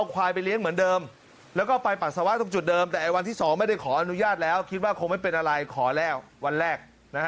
คิดว่าคงไม่เป็นอะไรขอแล้ววันแรก